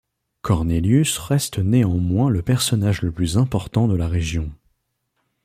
Cornelius reste néanmoins le personnage le plus important de la région.